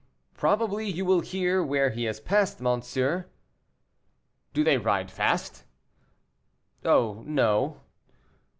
"Probably you will hear where he has passed, monsieur." "Do they ride fast?" "Oh no."